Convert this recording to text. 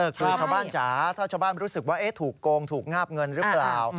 คือชาวบ้านจ๋าถ้าชาวบ้านรู้สึกว่าถูกโกงถูกงาบเงินหรือเปล่า